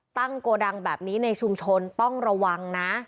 โกดังแบบนี้ในชุมชนต้องระวังนะ